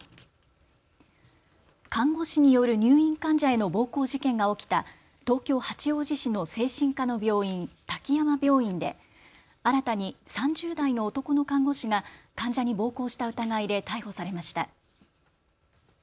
看護師による入院患者への暴行事件が起きた東京八王子市の精神科の病院、滝山病院で新たに３０代の男の看護師が患者に暴行した疑いで逮捕されました。